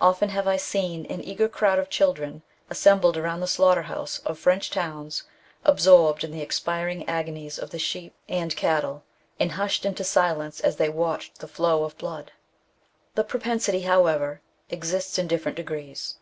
Often have I seen an eager crowd of chil dren assembled around the slaughterhouses of French towns, absorbed in the expiring agonies of the sheep and 9 2 182 THE BOOK OF WERE WOLVES. cattle, and hushed into silence as they watched the flow of blood. The propensity, however, exists in different degrees.